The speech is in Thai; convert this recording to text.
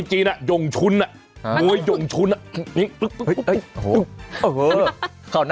เห็น